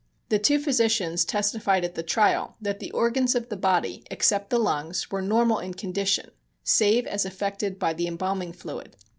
The two physicians testified at the trial that the organs of the body, except the lungs, were normal in condition, save as affected by the embalming fluid.